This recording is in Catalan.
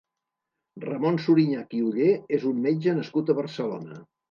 Ramon Surinyac i Oller és un metge nascut a Barcelona.